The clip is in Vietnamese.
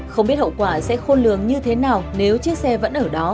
không biết hậu quả sẽ khôn lường như thế nào nếu chiếc xe vẫn ở đó